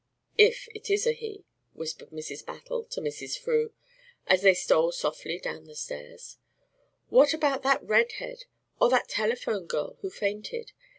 "If it is a he," whispered Mrs. Battle to Mrs. Frew, as they stole softly down the stairs. "What about that red head, or that telephone girl who fainted?